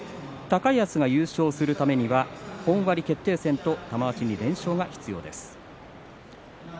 高安が優勝するためには本割決定戦と玉鷲に連勝が必要です。